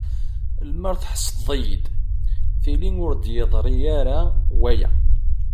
Lemmer tḥesseḍ-iyi-d, tili ur d-yeḍṛi ara waya.